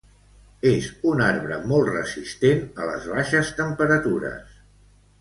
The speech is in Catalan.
És una arbre molt resistent a les baixes temperatures.